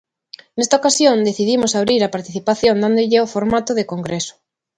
Nesta ocasión decidimos abrir a participación dándolle o formato de congreso.